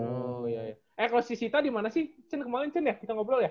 oh iya iya eh kalo si sita dimana sih cen kemaren cen ya kita ngobrol ya